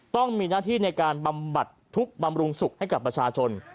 ต้องมีหน้าที่ในการบำบัดทุกข์บำรุงสุขให้กับประชาชน